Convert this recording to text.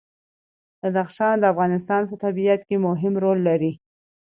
بدخشان د افغانستان په طبیعت کې مهم رول لري.